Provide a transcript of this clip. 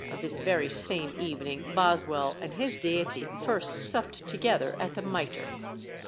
(This very same evening Boswell and his deity first supped together at the Mitre.)